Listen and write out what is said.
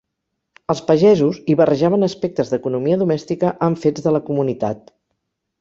Els pagesos hi barrejaven aspectes d'economia domèstica amb fets de la comunitat.